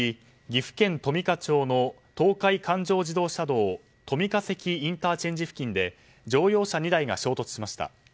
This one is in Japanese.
岐阜県富加町の東海環状自動車道富加関ＩＣ付近で乗用車２台が衝突しました。